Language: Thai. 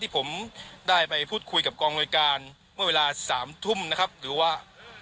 ผมได้ไปพูดคุยกับกองอำนวยการเมื่อเวลา๓ทุ่มนะครับหรือว่า